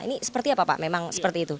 ini seperti apa pak memang seperti itu